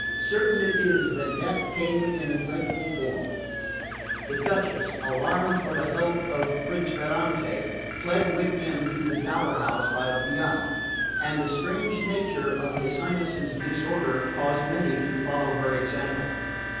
Certain it is that death came in a dreadful form. The Duchess, alarmed for the health of Prince Ferrante, fled with him to the dower house by the Piana; and the strange nature of his Highness's distemper caused many to follow her example.